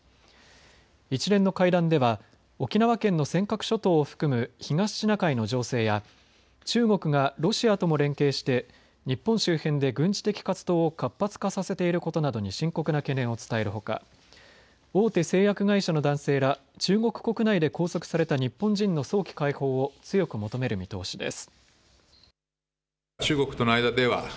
一連の会談では沖縄県の尖閣諸島を含む東シナ海の情勢や中国がロシアとも連携して日本周辺で軍事的活動を活発化させていることなどに深刻な懸念を伝えるほか、大手製薬会社の男性ら中国国内で拘束された日本人の早期解放を強く求める見通しです。